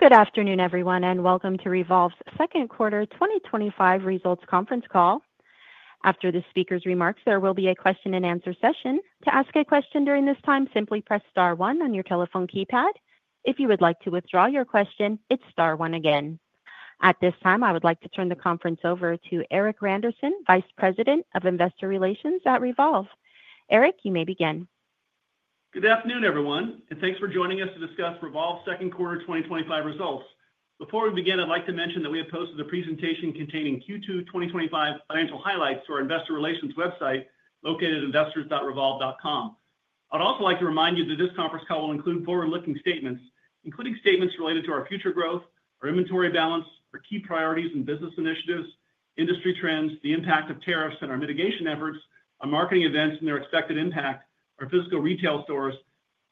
Good afternoon, everyone, and welcome to REVOLVE's Second Quarter 2025 Results Conference call. After the speaker's remarks, there will be a question and answer session. To ask a question during this time, simply press star one on your telephone keypad. If you would like to withdraw your question, it's star one again. At this time, I would like to turn the conference over to Erik Randerson, Vice President of Investor Relations at REVOLVE. Erik, you may begin. Good afternoon, everyone, and thanks for joining us to discuss REVOLVE's second quarter 2025 results. Before we begin, I'd like to mention that we have posted a presentation containing Q2 2025 financial highlights to our investor relations website located at investors.revolve.com. I'd also like to remind you that this conference call will include forward-looking statements, including statements related to our future growth, our inventory balance, our key priorities and business initiatives, industry trends, the impact of tariffs and our mitigation efforts, our marketing events and their expected impact, our physical retail stores,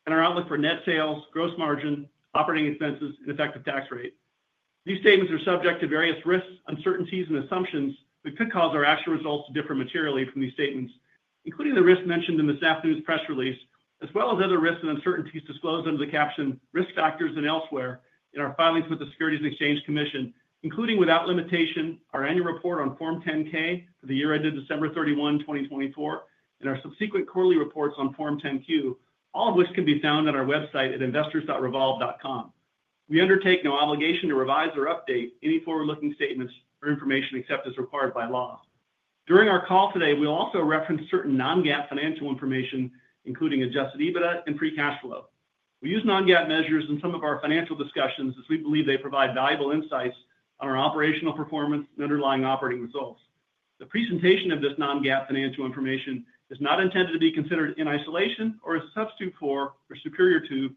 and our outlook for net sales, gross margin, operating expenses, and effective tax rate. These statements are subject to various risks, uncertainties, and assumptions that could cause our actual results to differ materially from these statements, including the risk mentioned in this afternoon's press release, as well as other risks and uncertainties disclosed under the caption "Risk Factors and Elsewhere" in our filings with the Securities and Exchange Commission, including without limitation our annual report on Form 10-K for the year ended December 31, 2024, and our subsequent quarterly reports on Form 10-Q, all of which can be found on our website at investors.revolve.com. We undertake no obligation to revise or update any forward-looking statements or information except as required by law. During our call today, we'll also reference certain non-GAAP financial information, including adjusted EBITDA and free cash flow. We use non-GAAP measures in some of our financial discussions as we believe they provide valuable insights on our operational performance and underlying operating results. The presentation of this non-GAAP financial information is not intended to be considered in isolation or as a substitute for or superior to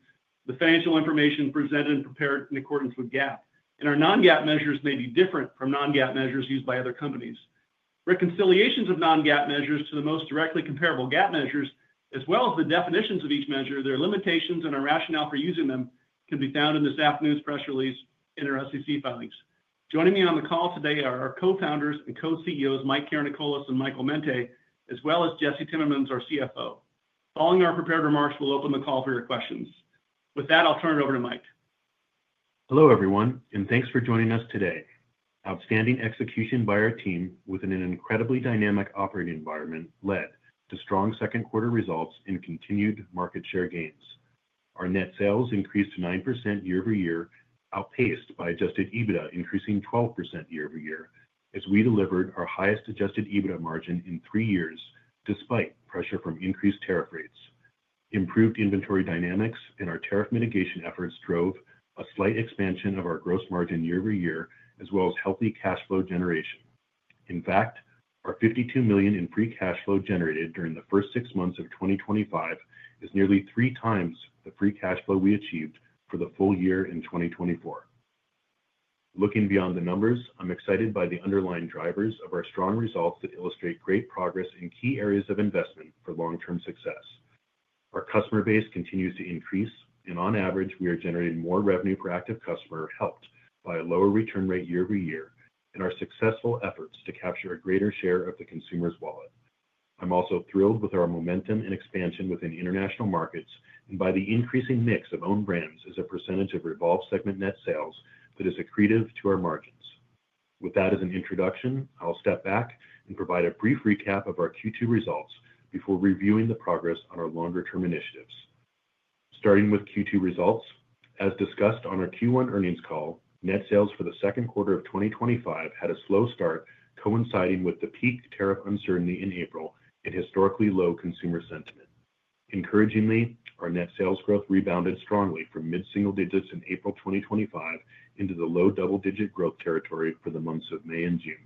the financial information presented and prepared in accordance with GAAP, and our non-GAAP measures may be different from non-GAAP measures used by other companies. Reconciliations of non-GAAP measures to the most directly comparable GAAP measures, as well as the definitions of each measure, their limitations, and our rationale for using them can be found in this afternoon's press release and in our SEC filings. Joining me on the call today are our Co-Founders and Co-CEOs, Mike Karanikolas and Michael Mente, as well as Jesse Timmermans, our CFO. Following our prepared remarks, we'll open the call for your questions. With that, I'll turn it over to Mike. Hello, everyone, and thanks for joining us today. Outstanding execution by our team within an incredibly dynamic operating environment led to strong second quarter results and continued market share gains. Our net sales increased 9% year-over-year, outpaced by adjusted EBITDA increasing 12% year-over-year, as we delivered our highest adjusted EBITDA margin in three years despite pressure from increased tariff rates. Improved inventory dynamics and our tariff mitigation efforts drove a slight expansion of our gross margin year-over-year, as well as healthy cash flow generation. In fact, our $52 million in free cash flow generated during the first six months of 2025 is nearly 3x the free cash flow we achieved for the full year in 2024. Looking beyond the numbers, I'm excited by the underlying drivers of our strong results that illustrate great progress in key areas of investment for long-term success. Our customer base continues to increase, and on average, we are generating more revenue per active customer helped by a lower return rate year-over-year and our successful efforts to capture a greater share of the consumer's wallet. I'm also thrilled with our momentum and expansion within international markets and by the increasing mix of own brands as a percentage of REVOLVE's segment net sales that is accretive to our margins. With that as an introduction, I'll step back and provide a brief recap of our Q2 results before reviewing the progress on our longer-term initiatives. Starting with Q2 results, as discussed on our Q1 earnings call, net sales for the second quarter of 2025 had a slow start coinciding with the peak tariff uncertainty in April and historically low consumer sentiment. Encouragingly, our net sales growth rebounded strongly from mid-single digits in April 2025 into the low double-digit growth territory for the months of May and June.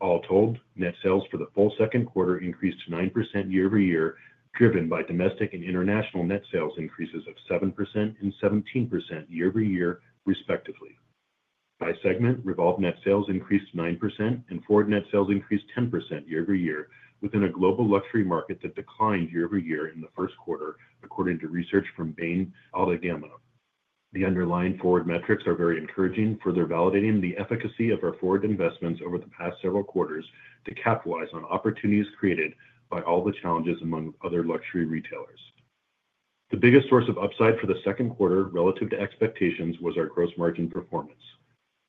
All told, net sales for the full second quarter increased 9% year-over-year, driven by domestic and international net sales increases of 7% and 17% year-over-year, respectively. By segment, REVOLVE net sales increased 9% and FWRD net sales increased 10% year-over-year within a global luxury market that declined year-over-year in the first quarter, according to research from Bain Altagamma. The underlying FWRD metrics are very encouraging, further validating the efficacy of our FWRD investments over the past several quarters to capitalize on opportunities created by all the challenges among other luxury retailers. The biggest source of upside for the second quarter relative to expectations was our gross margin performance.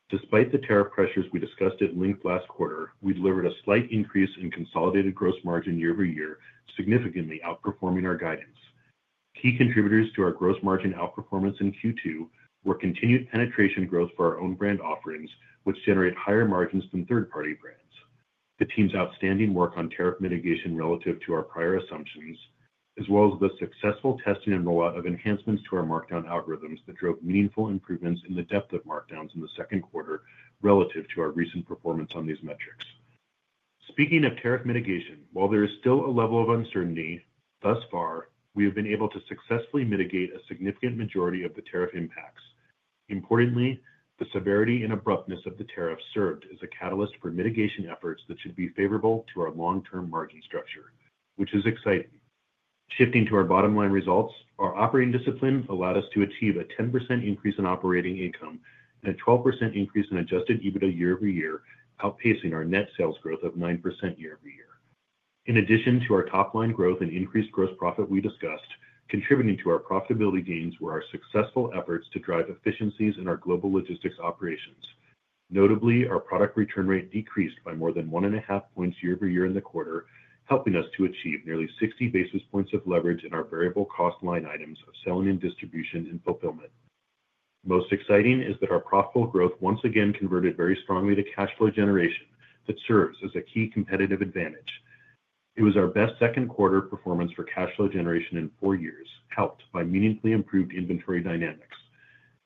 Despite the tariff pressures we discussed at length last quarter, we delivered a slight increase in consolidated gross margin year-over-year, significantly outperforming our guidance. Key contributors to our gross margin outperformance in Q2 were continued penetration growth for our own brand offerings, which generate higher margins than third-party brands. The team's outstanding work on tariff mitigation relative to our prior assumptions, as well as the successful testing and rollout of enhancements to our markdown algorithms that drove meaningful improvements in the depth of markdowns in the second quarter relative to our recent performance on these metrics. Speaking of tariff mitigation, while there is still a level of uncertainty thus far, we have been able to successfully mitigate a significant majority of the tariff impacts. Importantly, the severity and abruptness of the tariff served as a catalyst for mitigation efforts that should be favorable to our long-term margin structure, which is exciting. Shifting to our bottom line results, our operating discipline allowed us to achieve a 10% increase in operating income and a 12% increase in adjusted EBITDA year-over-year, outpacing our net sales growth of 9% year-over-year. In addition to our top line growth and increased gross profit we discussed, contributing to our profitability gains were our successful efforts to drive efficiencies in our global logistics operations. Notably, our product return rate decreased by more than 1.5 points year-over-year in the quarter, helping us to achieve nearly 60 basis points of leverage in our variable cost line items of selling and distribution and fulfillment. Most exciting is that our profitable growth once again converted very strongly to cash flow generation that serves as a key competitive advantage. It was our best second quarter performance for cash flow generation in four years, helped by meaningfully improved inventory dynamics.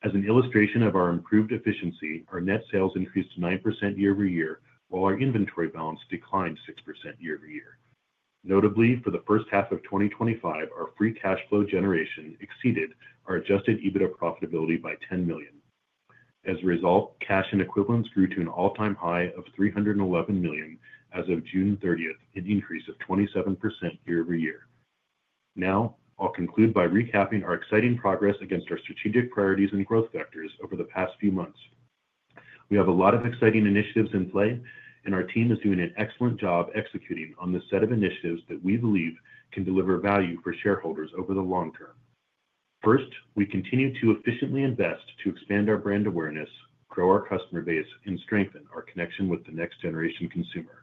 As an illustration of our improved efficiency, our net sales increased 9% year-over-year, while our inventory balance declined 6% year-over-year. Notably, for the first half of 2025, our free cash flow generation exceeded our adjusted EBITDA profitability by $10 million. As a result, cash and equivalents grew to an all-time high of $311 million as of June 30th, an increase of 27% year-over-year. Now, I'll conclude by recapping our exciting progress against our strategic priorities and growth vectors over the past few months. We have a lot of exciting initiatives in play, and our team is doing an excellent job executing on this set of initiatives that we believe can deliver value for shareholders over the long term. First, we continue to efficiently invest to expand our brand awareness, grow our customer base, and strengthen our connection with the next generation consumer.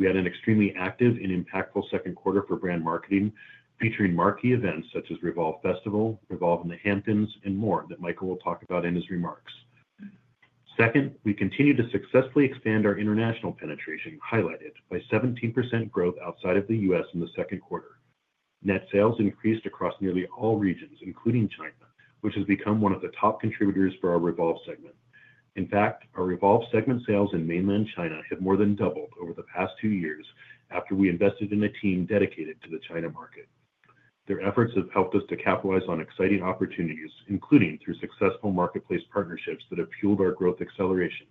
We had an extremely active and impactful second quarter for brand marketing, featuring marquee events such as REVOLVE Festival, REVOLVE in the Hamptons, and more that Michael will talk about in his remarks. Second, we continue to successfully expand our international penetration, highlighted by 17% growth outside of the U.S. in the second quarter. Net sales increased across nearly all regions, including China, which has become one of the top contributors for our REVOLVE segment. In fact, our REVOLVE segment sales in mainland China have more than doubled over the past two years after we invested in a team dedicated to the China market. Their efforts have helped us to capitalize on exciting opportunities, including through successful marketplace partnerships that have fueled our growth acceleration.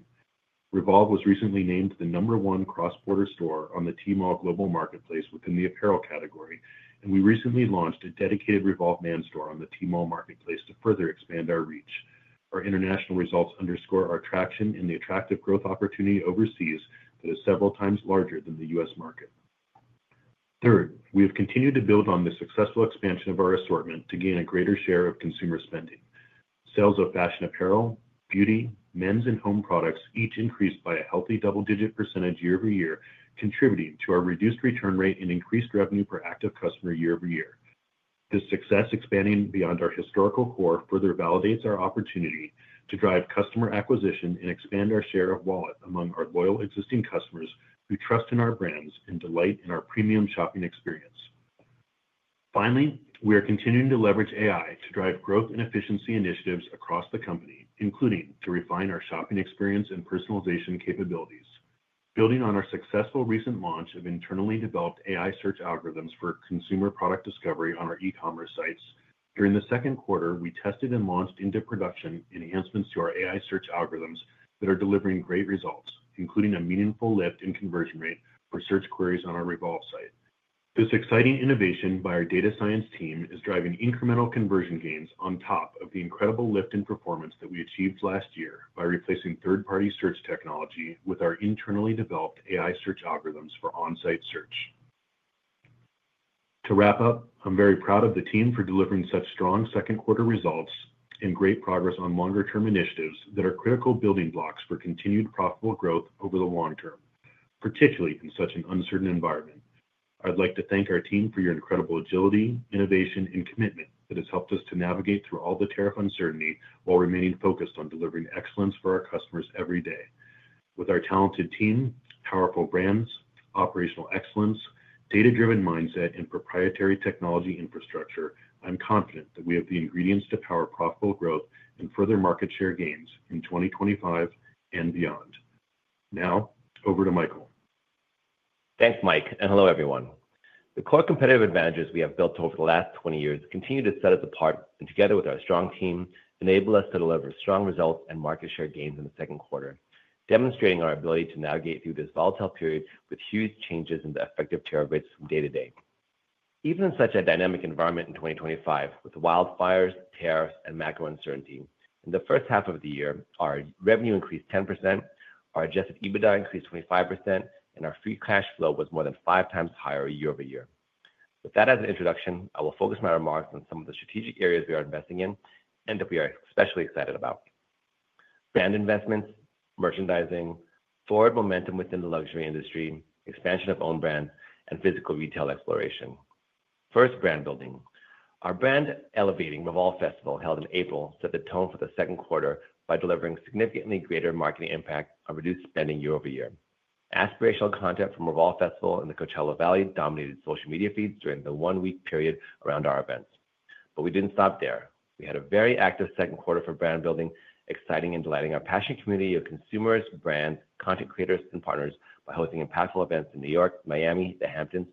REVOLVE was recently named the number one cross-border store on the Tmall Global Marketplace within the apparel category, and we recently launched a dedicated REVOLVE man store on the Tmall Marketplace to further expand our reach. Our international results underscore our traction in the attractive growth opportunity overseas that is several times larger than the U.S. market. Third, we have continued to build on the successful expansion of our assortment to gain a greater share of consumer spending. Sales of fashion apparel, beauty, mens, and home products each increased by a healthy double-digit percentage year-over-year, contributing to our reduced return rate and increased revenue per active customer year-over-year. This success, expanding beyond our historical core, further validates our opportunity to drive customer acquisition and expand our share of wallet among our loyal existing customers who trust in our brands and delight in our premium shopping experience. Finally, we are continuing to leverage AI to drive growth and efficiency initiatives across the company, including to refine our shopping experience and personalization capabilities. Building on our successful recent launch of internally developed AI search algorithms for consumer product discovery on our e-commerce sites, during the second quarter, we tested and launched into production enhancements to our AI search algorithms that are delivering great results, including a meaningful lift in conversion rate for search queries on our REVOLVE site. This exciting innovation by our data science team is driving incremental conversion gains on top of the incredible lift in performance that we achieved last year by replacing third-party search technology with our internally developed AI search algorithms for on-site search. To wrap up, I'm very proud of the team for delivering such strong second quarter results and great progress on longer-term initiatives that are critical building blocks for continued profitable growth over the long term, particularly in such an uncertain environment. I'd like to thank our team for your incredible agility, innovation, and commitment that has helped us to navigate through all the tariff uncertainty while remaining focused on delivering excellence for our customers every day. With our talented team, powerful brands, operational excellence, data-driven mindset, and proprietary technology infrastructure, I'm confident that we have the ingredients to power profitable growth and further market share gains in 2025 and beyond. Now, over to Michael. Thanks, Mike, and hello, everyone. The core competitive advantages we have built over the last 20 years continue to set us apart, and together with our strong team, enable us to deliver strong results and market share gains in the second quarter, demonstrating our ability to navigate through this volatile period with huge changes in the effective tariff rates from day to day. Even in such a dynamic environment in 2025, with wildfires, tariffs, and macro uncertainty, in the first half of the year, our revenue increased 10%, our adjusted EBITDA increased 25%, and our free cash flow was more than 5x higher year-over-year. With that as an introduction, I will focus my remarks on some of the strategic areas we are investing in and that we are especially excited about: brand investments, merchandising, forward momentum within the luxury industry, expansion of own brand, and physical retail exploration. First, brand building. Our brand elevating REVOLVE Festival, held in April, set the tone for the second quarter by delivering significantly greater marketing impact and reduced spending year-over-year. Aspirational content from REVOLVE Festival in the Coachella Valley dominated social media feeds during the one-week period around our event. We didn't stop there. We had a very active second quarter for brand building, exciting and delighting our passionate community of consumers, brands, content creators, and partners by hosting impactful events in New York, Miami, the Hamptons,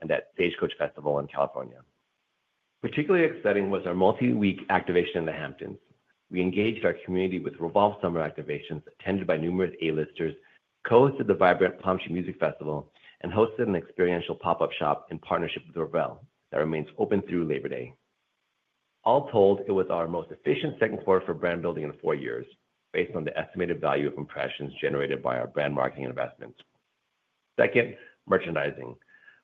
and at Stagecoach Festival in California. Particularly exciting was our multi-week activation in the Hamptons. We engaged our community with REVOLVE summer activations attended by numerous A-listers, co-hosted the vibrant Palm Tree Music Festival, and hosted an experiential pop-up shop in partnership with Vivrelle that remains open through Labor Day. All told, it was our most efficient second quarter for brand building in four years based on the estimated value of impressions generated by our brand marketing investments. Second, merchandising.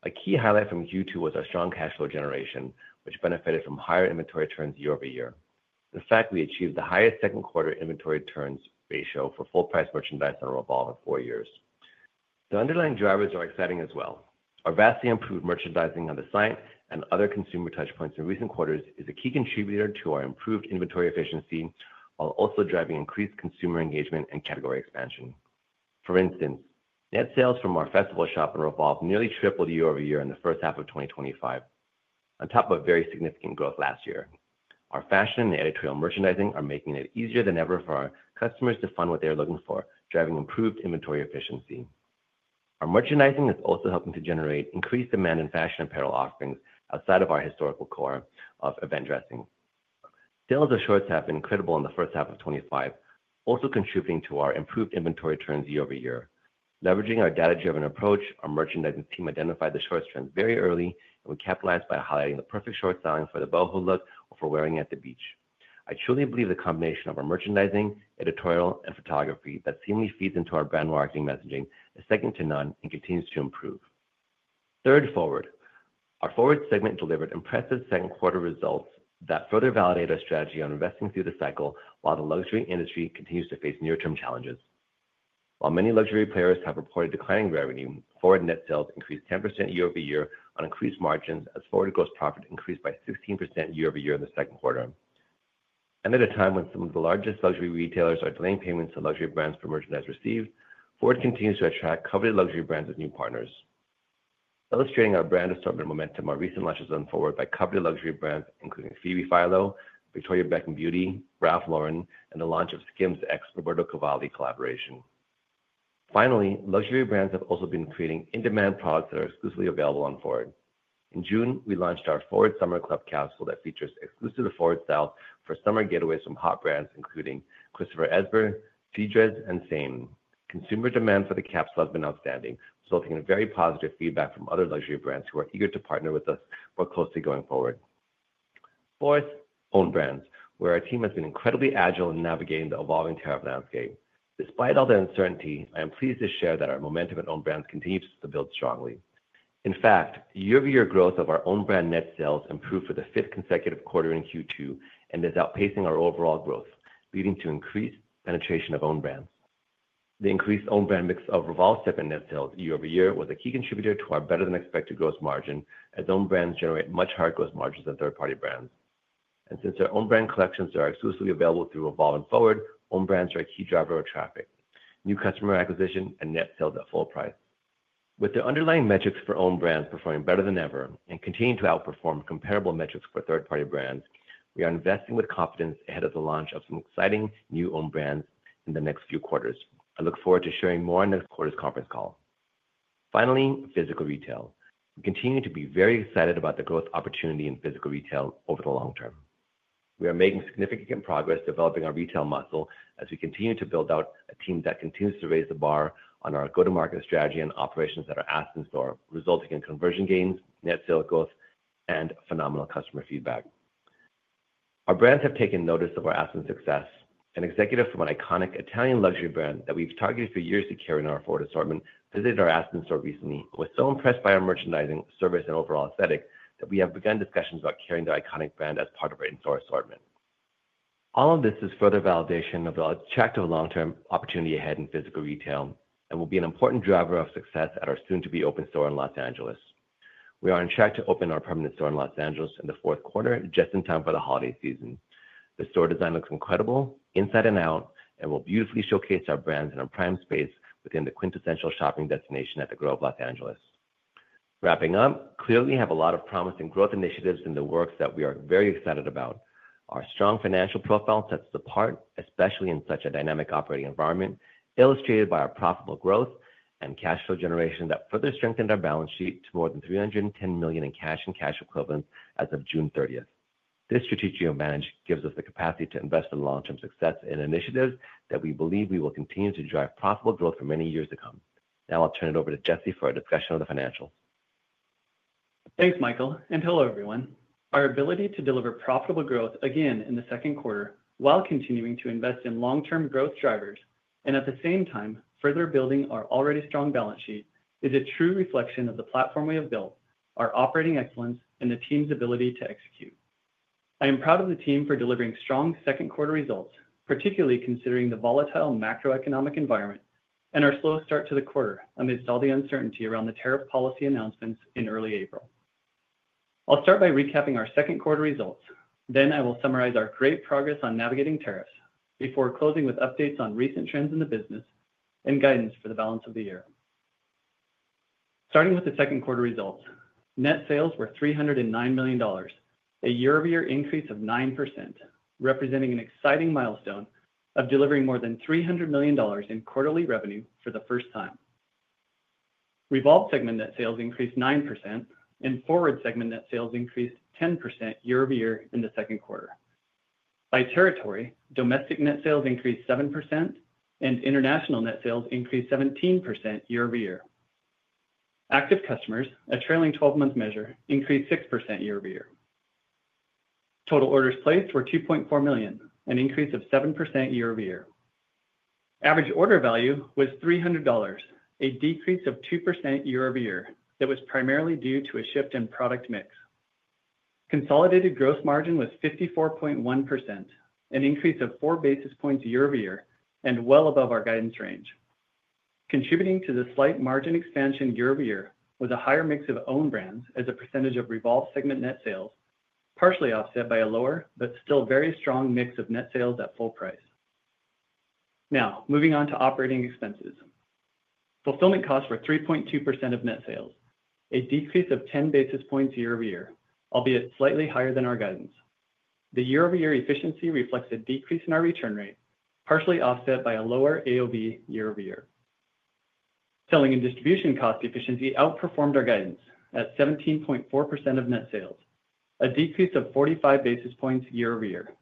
A key highlight from Q2 was our strong cash flow generation, which benefited from higher inventory turns year-over-year. In fact, we achieved the highest second quarter inventory turns ratio for full-price merchandise on REVOLVE in four years. The underlying drivers are exciting as well. Our vastly improved merchandising on the site and other consumer touchpoints in recent quarters is a key contributor to our improved inventory efficiency, while also driving increased consumer engagement and category expansion. For instance, net sales from our Festival Shop and REVOLVE nearly tripled year-over-year in the first half of 2025, on top of very significant growth last year. Our fashion and editorial merchandising are making it easier than ever for our customers to find what they're looking for, driving improved inventory efficiency. Our merchandising is also helping to generate increased demand in fashion apparel offerings outside of our historical core of event dressing. Sales of shorts have been incredible in the first half of 2025, also contributing to our improved inventory turns year-over-year. Leveraging our data-driven approach, our merchandising team identified the shorts trends very early, and we capitalized by highlighting the perfect short styling for the boho look or for wearing at the beach. I truly believe the combination of our merchandising, editorial, and photography that seamlessly feeds into our brand marketing messaging is second to none and continues to improve. Third, FWRD. Our FWRD segment delivered impressive second quarter results that further validate our strategy on investing through the cycle while the luxury industry continues to face near-term challenges. While many luxury players have reported declining revenue, FWRD net sales increased 10% year-over-year on increased margins as FWRD gross profit increased by 16% year-over-year in the second quarter. At a time when some of the largest luxury retailers are delaying payments to luxury brands for merchandise received, FWRD continues to attract coveted luxury brands as new partners. Illustrating our brand assortment momentum, our recent launch has been FWRD by coveted luxury brands including Phoebe Philo, Victoria Beckham Beauty, Ralph Lauren and the launch of the SKIMs x Roberto Cavelli collaboration. Finally, luxury brands have also been creating in-demand products that are exclusively available on FWRD. In June, we launched our FWRD Summer Club capsule that features exclusive FWRD style for summer getaways from hot brands including Christopher Esber, SIEDRÉS and SAME. Consumer demand for the capsule has been outstanding, resulting in very positive feedback from other luxury brands who are eager to partner with us more closely going forward. Fourth, own brands, where our team has been incredibly agile in navigating the evolving tariff landscape. Despite all the uncertainty, I am pleased to share that our momentum in own brands continues to build strongly. In fact, year-over-year growth of our own brand net sales improved for the fifth consecutive quarter in Q2 and is outpacing our overall growth, leading to increased penetration of own brands. The increased own brand mix of REVOLVE segment net sales year-over-year was a key contributor to our better-than-expected gross margin, as own brands generate much higher gross margins than third-party brands. Since their own brand collections are exclusively available through REVOLVE and FWRD, own brands are a key driver of traffic, new customer acquisition, and net sales at full price. With their underlying metrics for own brands performing better than ever and continuing to outperform comparable metrics for third-party brands, we are investing with confidence ahead of the launch of some exciting new own brands in the next few quarters. I look forward to sharing more in the next quarter's conference call. Finally, physical retail. We continue to be very excited about the growth opportunity in physical retail over the long term. We are making significant progress developing our retail muscle as we continue to build out a team that continues to raise the bar on our go-to-market strategy and operations at our Aspen store, resulting in conversion gains, net sales growth, and phenomenal customer feedback. Our brands have taken notice of our Aspen success. An executive from an iconic Italian luxury brand that we've targeted for years to carry in our FWRD assortment visited our Aspen store recently and was so impressed by our merchandising service and overall aesthetic that we have begun discussions about carrying their iconic brand as part of our in-store assortment. All of this is further validation of the attractive long-term opportunity ahead in physical retail and will be an important driver of success at our soon-to-be open store in Los Angeles. We are on track to open our permanent store in Los Angeles in the fourth quarter, just in time for the holiday season. The store design looks incredible, inside and out, and will beautifully showcase our brands in a prime space within the quintessential shopping destination at the Grove of Los Angeles. Wrapping up, clearly we have a lot of promising growth initiatives in the works that we are very excited about. Our strong financial profile sets us apart, especially in such a dynamic operating environment, illustrated by our profitable growth and cash flow generation that further strengthened our balance sheet to more than $310 million in cash and cash equivalents as of June 30th. This strategic advantage gives us the capacity to invest in long-term success and initiatives that we believe will continue to drive profitable growth for many years to come. Now I'll turn it over to Jesse for our discussion of the financial. Thanks, Michael, and hello, everyone. Our ability to deliver profitable growth again in the second quarter while continuing to invest in long-term growth drivers and at the same time further building our already strong balance sheet is a true reflection of the platform we have built, our operating excellence, and the team's ability to execute. I am proud of the team for delivering strong second quarter results, particularly considering the volatile macroeconomic environment and our slow start to the quarter amidst all the uncertainty around the tariff policy announcements in early April. I'll start by recapping our second quarter results. I will summarize our great progress on navigating tariffs before closing with updates on recent trends in the business and guidance for the balance of the year. Starting with the second quarter results, net sales were $309 million, a year-over-year increase of 9%, representing an exciting milestone of delivering more than $300 million in quarterly revenue for the first time. REVOLVE segment net sales increased 9%, and FWRD segment net sales increased 10% year-over-year in the second quarter. By territory, domestic net sales increased 7%, and international net sales increased 17% year-over-year. Active customers, a trailing 12-month measure, increased 6% year-over-year. Total orders placed were 2.4 million, an increase of 7% year-over-year. Average order value was $300, a decrease of 2% year-over-year that was primarily due to a shift in product mix. Consolidated gross margin was 54.1%, an increase of four basis points year-over-year and well above our guidance range. Contributing to the slight margin expansion year-over-year was a higher mix of own brands as a percentage of REVOLVE segment net sales, partially offset by a lower but still very strong mix of net sales at full price. Now, moving on to operating expenses. Fulfillment costs were 3.2% of net sales, a decrease of 10 basis points year-over-year, albeit slightly higher than our guidance. The year-over-year efficiency reflects a decrease in our return rate, partially offset by a lower AOV year-over-year. Selling and distribution cost efficiency outperformed our guidance at 17.4% of net sales, a decrease of 45 basis points year-over-year.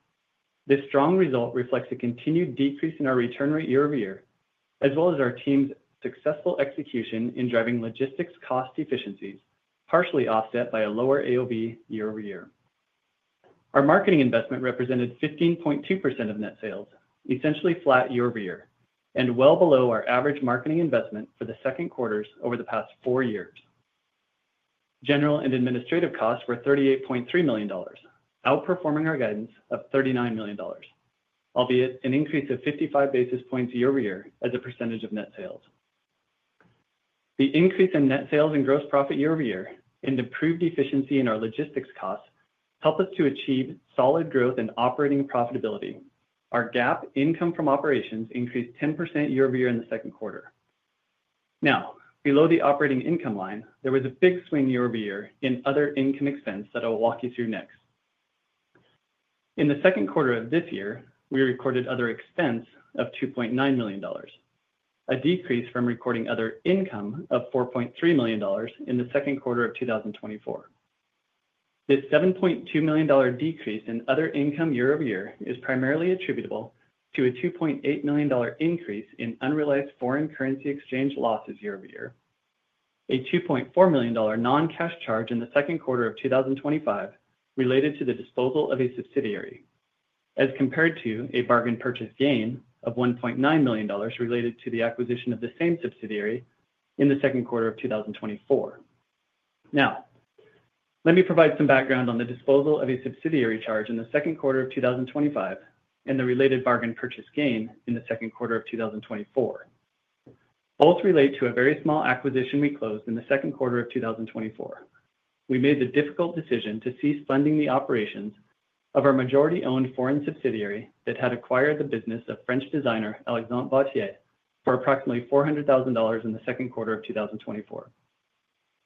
This strong result reflects a continued decrease in our return rate year-over-year, as well as our team's successful execution in driving logistics cost efficiencies, partially offset by a lower AOV year-over-year. Our marketing investment represented 15.2% of net sales, essentially flat year-over-year, and well below our average marketing investment for the second quarters over the past four years. General and administrative costs were $38.3 million, outperforming our guidance of $39 million, albeit an increase of 55 basis points year-over-year as a percentage of net sales. The increase in net sales and gross profit year-over-year and improved efficiency in our logistics costs helped us to achieve solid growth in operating profitability. Our GAAP income from operations increased 10% year-over-year in the second quarter. Now, below the operating income line, there was a big swing year-over-year in other income expense that I'll walk you through next. In the second quarter of this year, we recorded other expense of $2.9 million, a decrease from recording other income of $4.3 million in the second quarter of 2024. This $7.2 million decrease in other income year-over-year is primarily attributable to a $2.8 million increase in unrealized foreign currency exchange losses year-over-year, a $2.4 million non-cash charge in the second quarter of 2025 related to the disposal of a subsidiary, as compared to a bargain purchase gain of $1.9 million related to the acquisition of the same subsidiary in the second quarter of 2024. Now, let me provide some background on the disposal of a subsidiary charge in the second quarter of 2025 and the related bargain purchase gain in the second quarter of 2024. Both relate to a very small acquisition we closed in the second quarter of 2024. We made the difficult decision to cease funding the operations of our majority-owned foreign subsidiary that had acquired the business of French designer Alexandre Vauthier for approximately $400,000 in the second quarter of 2024.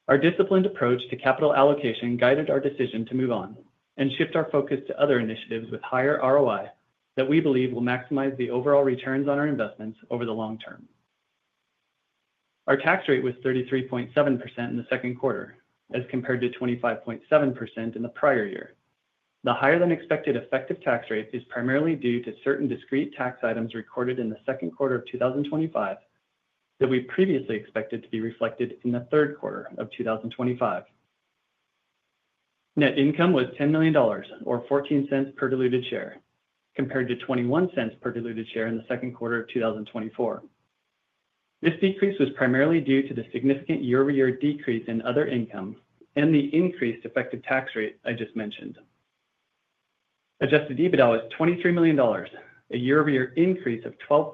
Our disciplined approach to capital allocation guided our decision to move on and shift our focus to other initiatives with higher ROI that we believe will maximize the overall returns on our investments over the long term. Our tax rate was 33.7% in the second quarter, as compared to 25.7% in the prior year. The higher-than-expected effective tax rate is primarily due to certain discrete tax items recorded in the second quarter of 2025 that we previously expected to be reflected in the third quarter of 2025. Net income was $10 million or $0.14 per diluted share, compared to $0.21 per diluted share in the second quarter of 2024. This decrease was primarily due to the significant year-over-year decrease in other income and the increased effective tax rate I just mentioned. Adjusted EBITDA was $23 million, a year-over-year increase of 12%,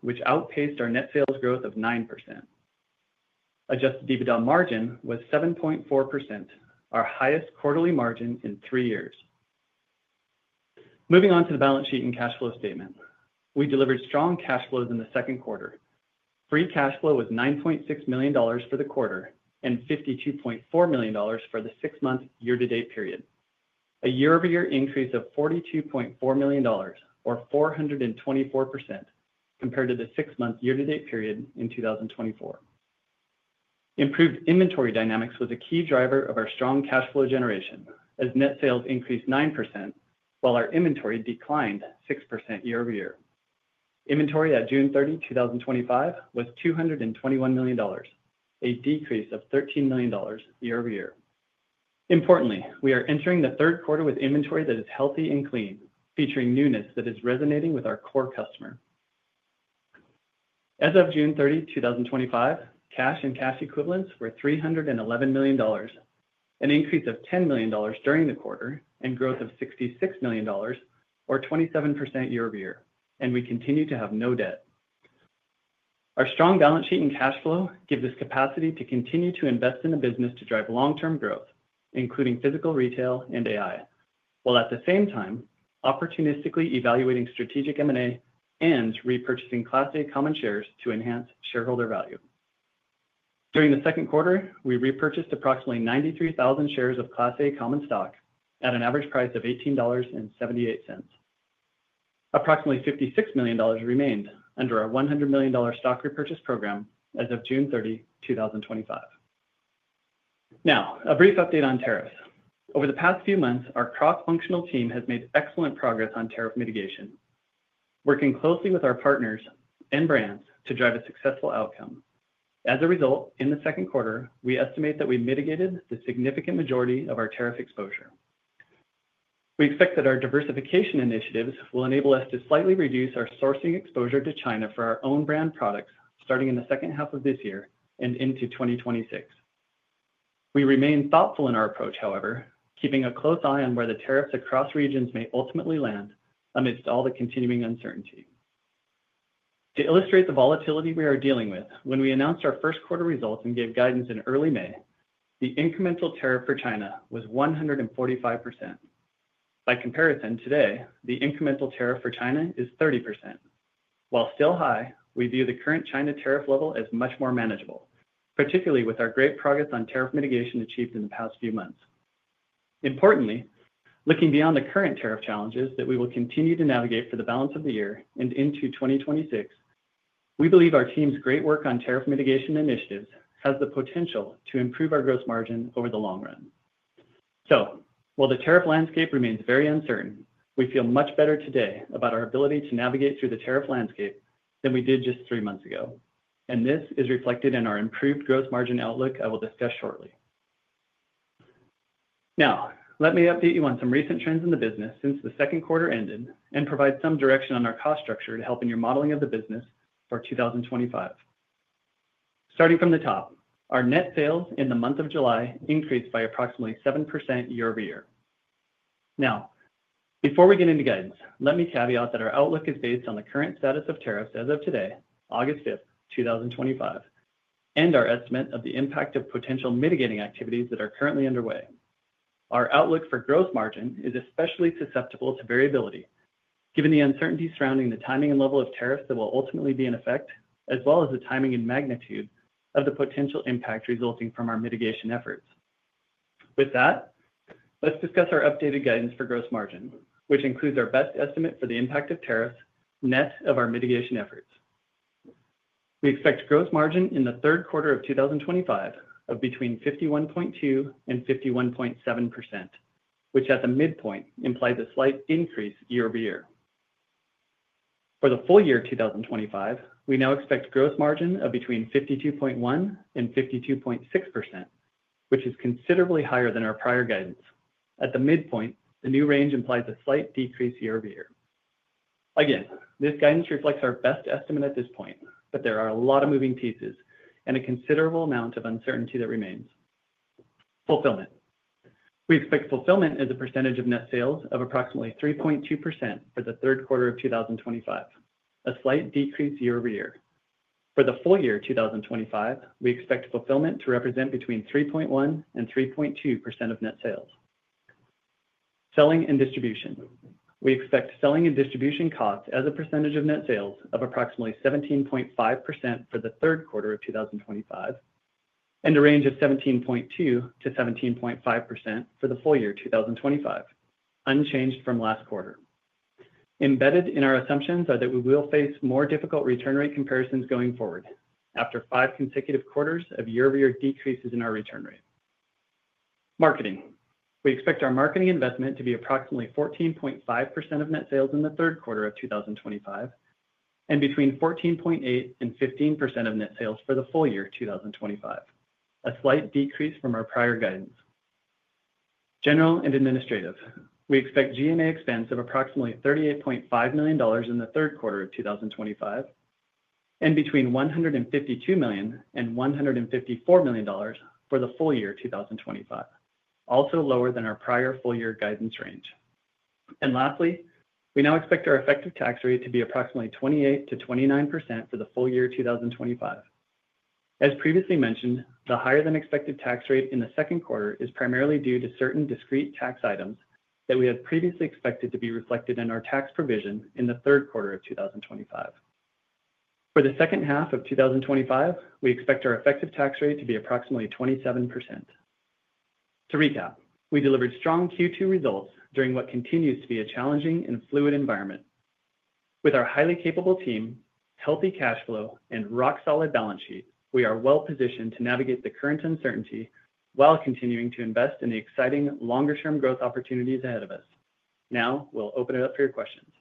which outpaced our net sales growth of 9%. Adjusted EBITDA margin was 7.4%, our highest quarterly margin in three years. Moving on to the balance sheet and cash flow statement, we delivered strong cash flows in the second quarter. Free cash flow was $9.6 million for the quarter and $52.4 million for the six-month year-to-date period, a year-over-year increase of $42.4 million or 424% compared to the six-month year-to-date period in 2024. Improved inventory dynamics was a key driver of our strong cash flow generation, as net sales increased 9% while our inventory declined 6% year-over-year. Inventory at June 30, 2025 was $221 million, a decrease of $13 million year-over-year. Importantly, we are entering the third quarter with inventory that is healthy and clean, featuring newness that is resonating with our core customer. As of June 30, 2025, cash and cash equivalents were $311 million, an increase of $10 million during the quarter, and growth of $66 million or 27% year-over-year, and we continue to have no debt. Our strong balance sheet and cash flow give us capacity to continue to invest in the business to drive long-term growth, including physical retail and AI, while at the same time opportunistically evaluating strategic M&A and repurchasing Class A common shares to enhance shareholder value. During the second quarter, we repurchased approximately 93,000 shares of Class A common stock at an average price of $18.78. Approximately $56 million remained under our $100 million stock repurchase program as of June 30, 2025. Now, a brief update on tariffs. Over the past few months, our cross-functional team has made excellent progress on tariff mitigation, working closely with our partners and brands to drive a successful outcome. As a result, in the second quarter, we estimate that we mitigated the significant majority of our tariff exposure. We expect that our diversification initiatives will enable us to slightly reduce our sourcing exposure to China for our own brand products starting in the second half of this year and into 2026. We remain thoughtful in our approach, however, keeping a close eye on where the tariffs across regions may ultimately land amidst all the continuing uncertainty. To illustrate the volatility we are dealing with, when we announced our first quarter results and gave guidance in early May, the incremental tariff for China was 145%. By comparison, today, the incremental tariff for China is 30%. While still high, we view the current China tariff level as much more manageable, particularly with our great progress on tariff mitigation achieved in the past few months. Importantly, looking beyond the current tariff challenges that we will continue to navigate for the balance of the year and into 2026, we believe our team's great work on tariff mitigation initiatives has the potential to improve our gross margin over the long run. While the tariff landscape remains very uncertain, we feel much better today about our ability to navigate through the tariff landscape than we did just three months ago, and this is reflected in our improved gross margin outlook I will discuss shortly. Now, let me update you on some recent trends in the business since the second quarter ended and provide some direction on our cost structure to help in your modeling of the business for 2025. Starting from the top, our net sales in the month of July increased by approximately 7% year-over-year. Before we get into guidance, let me caveat that our outlook is based on the current status of tariffs as of today, August 5th, 2025, and our estimate of the impact of potential mitigating activities that are currently underway. Our outlook for gross margin is especially susceptible to variability, given the uncertainty surrounding the timing and level of tariffs that will ultimately be in effect, as well as the timing and magnitude of the potential impact resulting from our mitigation efforts. With that, let's discuss our updated guidance for gross margin, which includes our best estimate for the impact of tariffs net of our mitigation efforts. We expect gross margin in the third quarter of 2025 of between 51.2% and 51.7%, which at the midpoint implies a slight increase year-over-year. For the full year 2025, we now expect gross margin of between 52.1% and 52.6%, which is considerably higher than our prior guidance. At the midpoint, the new range implies a slight decrease year-over-year. Again, this guidance reflects our best estimate at this point, but there are a lot of moving pieces and a considerable amount of uncertainty that remains. Fulfillment. We expect fulfillment as a percentage of net sales of approximately 3.2% for the third quarter of 2025, a slight decrease year-over-year. For the full year 2025, we expect fulfillment to represent between 3.1% and 3.2% of net sales. Selling and distribution. We expect selling and distribution costs as a percentage of net sales of approximately 17.5% for the third quarter of 2025 and a range of 17.2%-17.5% for the full year 2025, unchanged from last quarter. Embedded in our assumptions are that we will face more difficult return rate comparisons going forward after five consecutive quarters of year-over-year decreases in our return rate. Marketing. We expect our marketing investment to be approximately 14.5% of net sales in the third quarter of 2025 and between 14.8% and 15% of net sales for the full year 2025, a slight decrease from our prior guidance. General and administrative. We expect G&A expense of approximately $38.5 million in the third quarter of 2025 and between $152 million and $154 million for the full year 2025, also lower than our prior full year guidance range. Lastly, we now expect our effective tax rate to be approximately 28%-29% for the full year 2025. As previously mentioned, the higher-than-expected tax rate in the second quarter is primarily due to certain discrete tax items that we have previously expected to be reflected in our tax provision in the third quarter of 2025. For the second half of 2025, we expect our effective tax rate to be approximately 27%. To recap, we delivered strong Q2 results during what continues to be a challenging and fluid environment. With our highly capable team, healthy cash flow, and rock-solid balance sheet, we are well positioned to navigate the current uncertainty while continuing to invest in the exciting longer-term growth opportunities ahead of us. Now, we'll open it up for your questions.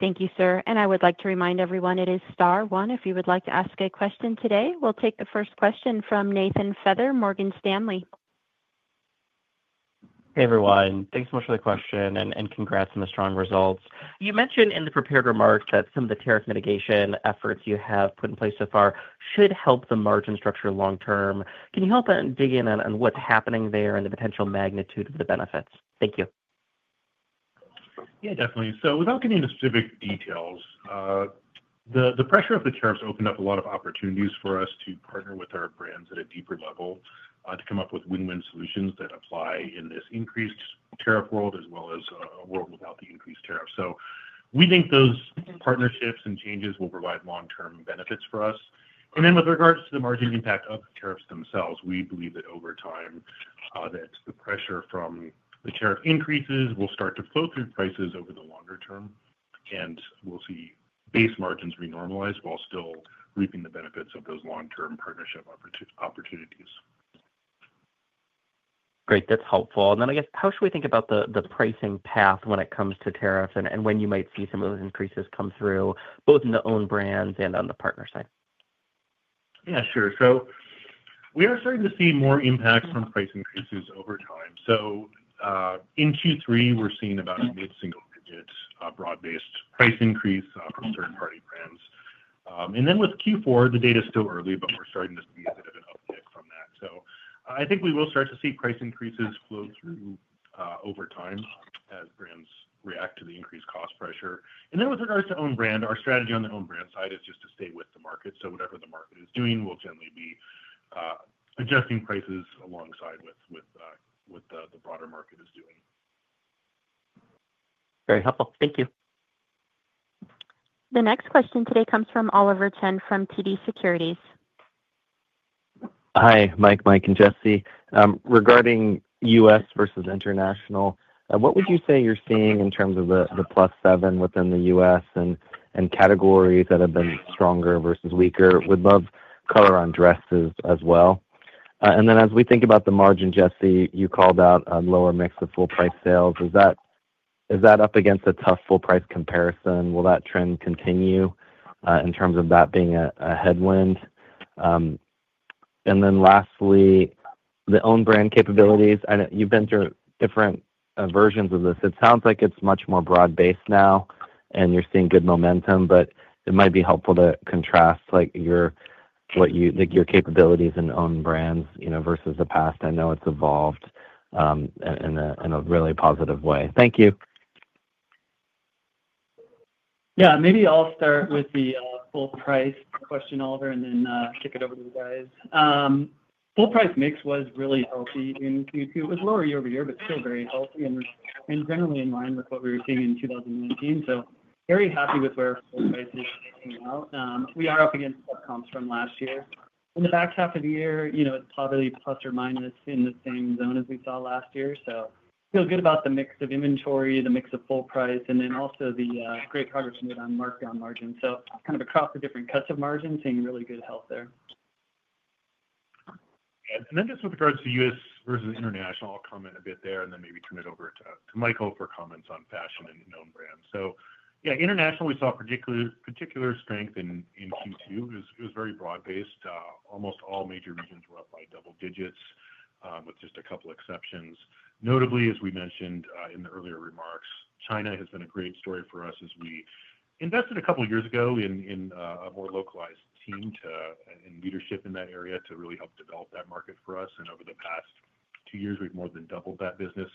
Thank you, sir. I would like to remind everyone it is star one if you would like to ask a question today. We'll take the first question from Nathan Feather, Morgan Stanley. Hey, everyone. Thanks so much for the question and congrats on the strong results. You mentioned in the prepared remarks that some of the tariff mitigation efforts you have put in place so far should help the margin structure long term. Can you help dig in on what's happening there and the potential magnitude of the benefits? Thank you. Definitely. Without getting into specific details, the pressure of the tariffs opened up a lot of opportunities for us to partner with our brands at a deeper level to come up with win-win solutions that apply in this increased tariff world as well as a world without the increased tariffs. We think those partnerships and changes will provide long-term benefits for us. With regards to the margin impact of tariffs themselves, we believe that over time, the pressure from the tariff increases will start to flow through prices over the longer term, and we'll see base margins renormalized while still reaping the benefits of those long-term partnership opportunities. Great. That's helpful. I guess, how should we think about the pricing path when it comes to tariffs and when you might see some of those increases come through both in the own brands and on the partner side? Yeah, sure. We are starting to see more impacts from price increases over time. In Q3, we're seeing about a mid-single-digit broad-based price increase for certain party brands. With Q4, the data is still early, but we're starting to see a bit of an uptick from that. I think we will start to see price increases flow through over time as brands react to the increased cost pressure. With regards to own brand, our strategy on the own brand side is just to stay with the market. Whatever the market is doing, we'll generally be adjusting prices alongside with what the broader market is doing. Very helpful. Thank you. The next question today comes from Oliver Chen from TD Securities. Hi, Mike, Mike, and Jesse. Regarding U.S. versus international, what would you say you're seeing in terms of the [+7] within the U.S. and categories that have been stronger versus weaker? We'd love color on dresses as well. As we think about the margin, Jesse, you called out a lower mix of full-price sales. Is that up against a tough full-price comparison? Will that trend continue in terms of that being a headwind? Lastly, the own brand capabilities. I know you've been through different versions of this. It sounds like it's much more broad-based now, and you're seeing good momentum, but it might be helpful to contrast what you think your capabilities in own brands are versus the past. I know it's evolved in a really positive way. Thank you. Maybe I'll start with the full-price question, Oliver, and then kick it over to you guys. Full-price mix was really healthy in Q2. It was lower year-over-year, but still very healthy and generally in line with what we were seeing in 2019. Very happy with where full-price is shaping out. We are up against what comes from last year. In the back half of the year, it's probably plus or minus in the same zone as we saw last year. I feel good about the mix of inventory, the mix of full price, and also the great progress made on markdown margin. Across the different cuts of margin, seeing really good health there. With regards to U.S. versus international, I'll comment a bit there and then maybe turn it over to Michael for comments on fashion and known brands. Internationally, we saw particular strength in Q2. It was very broad-based. Almost all major regions were up by double digits with just a couple of exceptions. Notably, as we mentioned in the earlier remarks, China has been a great story for us as we invested a couple of years ago in a more localized team and leadership in that area to really help develop that market for us. Over the past two years, we've more than doubled that business.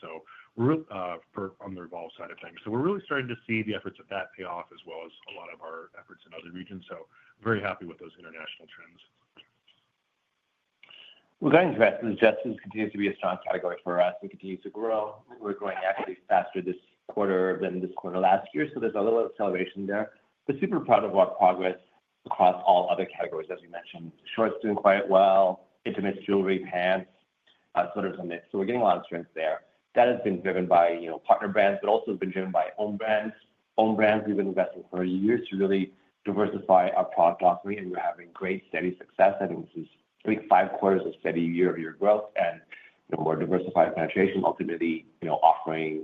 We're really on the REVOLVE side of things. We're really starting to see the efforts of that pay off as well as a lot of our efforts in other regions. Very happy with those international trends. Going directly, Jesse, this continues to be a strong category for us. It continues to grow. We're growing equities faster this quarter than this quarter last year. There's a little acceleration there. We're super proud of our progress across all other categories, as we mentioned. Shorts do quite well. Intimate jewelry, pants, sort of the mix. We're getting a lot of strength there. That has been driven by partner brands, but also been driven by own brands. Own brands, we've been investing for years to really diversify our product offering, and we're having great steady success. I think this is, I think, five quarters of steady year-over-year growth and more diversified penetration, ultimately offering,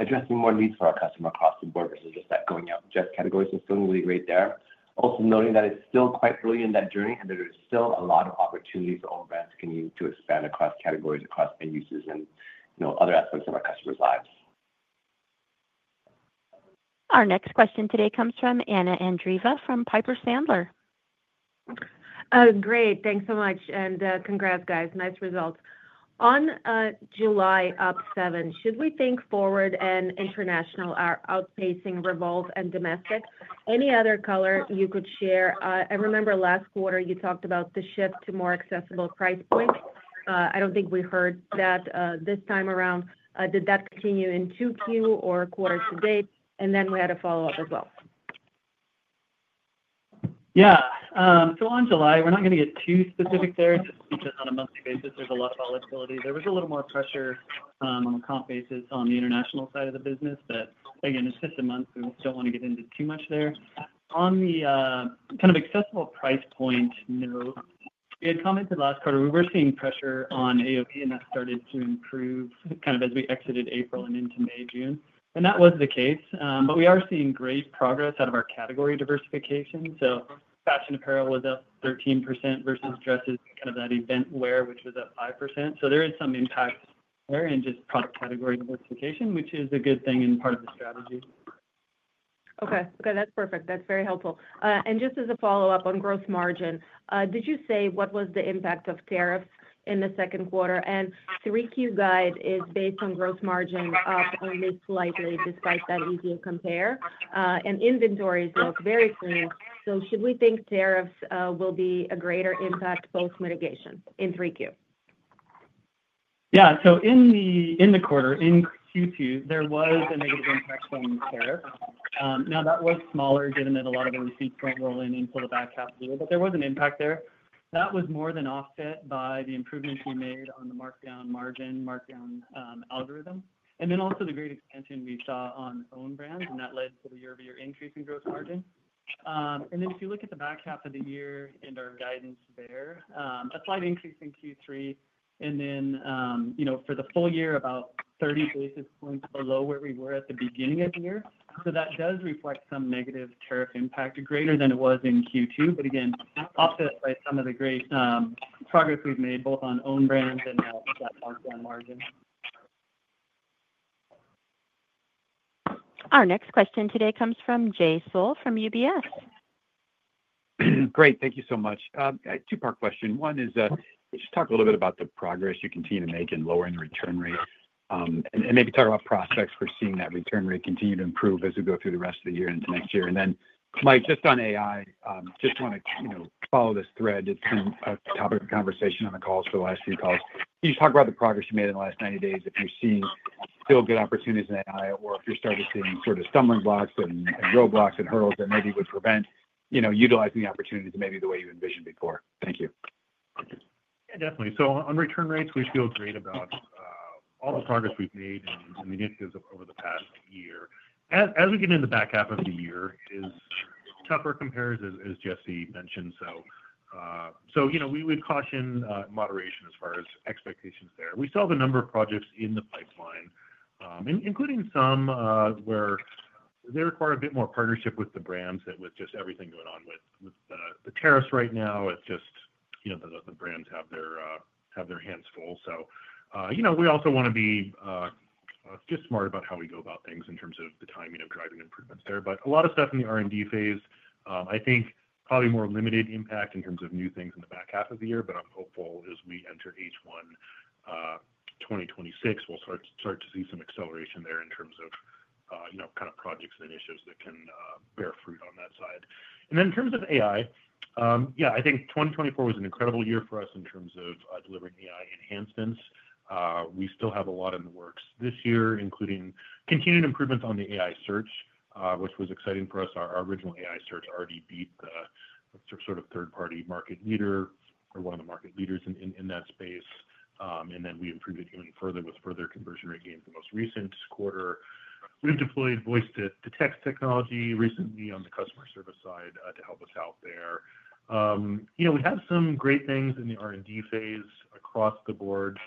addressing more needs for our customer across the board versus just that going out. Just categories are feeling really great there. Also noting that it's still quite early in that journey and there's still a lot of opportunity for own brands to continue to expand across categories, across end uses, and other aspects of our customers' lives. Our next question today comes from Anna Andreeva from Piper Sandler. Great. Thanks so much. Congrats, guys. Nice results. On July of 7, should we think FWRD and international are outpacing REVOLVE and domestic? Any other color you could share? I remember last quarter you talked about the shift to more accessible price points. I don't think we heard that this time around. Did that continue in 2Q or quarter to date? We had a follow-up as well. Yeah. On July, we're not going to get too specific there because on a monthly basis, there's a lot of volatility. There was a little more pressure on a comp basis on the international side of the business. Again, it's just a month. We don't want to get into too much there. On the kind of accessible price point note, we had commented last quarter we were seeing pressure on AOV, and that started to improve as we exited April and into May, June. That was the case. We are seeing great progress out of our category diversification. Fashion apparel was up 13% versus dresses, kind of that event wear, which was up 5%. There is some impact there in just product category diversification, which is a good thing and part of the strategy. Okay. That's perfect. That's very helpful. Just as a follow-up on gross margin, did you say what was the impact of tariffs in the second quarter? The 3Q guide is based on gross margin up only slightly despite that easier compare. Inventory is looking very thin. Should we think tariffs will be a greater impact post-mitigation in 3Q? Yeah. In the quarter, in Q2, there was a negative impact from tariff. That was smaller, given that a lot of the receipts don't roll in until the back half of the year, but there was an impact there. That was more than offset by the improvements we made on the markdown margin, markdown algorithm. Also, the great expansion we saw on own brands led to the year-over-year increase in gross margin. If you look at the back half of the year and our guidance there, a slight increase in Q3. For the full year, about 30 basis points below where we were at the beginning of the year. That does reflect some negative tariff impact, greater than it was in Q2. Again, offset by some of the great progress we've made both on own brands and now with that markdown margin. Our next question today comes from Jay Sole from UBS. Great. Thank you so much. Two-part question. One is, can you talk a little bit about the progress you continue to make in lowering the return rate, and maybe talk about prospects for seeing that return rate continue to improve as we go through the rest of the year and into next year? Mike, just on AI, I want to follow this thread. It's been a topic of conversation on the calls for the last few calls. Can you talk about the progress you made in the last 90 days, if you're seeing still good opportunities in AI, or if you started seeing stumbling blocks and roadblocks and hurdles that maybe would prevent utilizing the opportunities the way you envisioned before? Thank you. Yeah, definitely. On return rates, we feel great about all the progress we've made and the initiatives over the past year. As we get into the back half of the year, it is tougher compared, as Jesse mentioned. We would caution moderation as far as expectations there. We still have a number of projects in the pipeline, including some where they require a bit more partnership with the brands, and with everything going on with the tariffs right now, the brands have their hands full. We also want to be smart about how we go about things in terms of the timing of driving improvements there. A lot of stuff is in the R&D phase. I think probably more limited impact in terms of new things in the back half of the year, but I'm hopeful as we enter H1 2026, we'll start to see some acceleration there in terms of projects and initiatives that can bear fruit on that side. In terms of AI, I think 2024 was an incredible year for us in terms of delivering AI-driven enhancements. We still have a lot in the works this year, including continued improvements on the AI search, which was exciting for us. Our original AI search already beat the third-party market leader or one of the market leaders in that space, and then we improved it even further with further conversion rate gains in the most recent quarter. We've deployed voice-to-text technology recently on the customer service side to help us out there. We have some great things in the R&D phase across the board.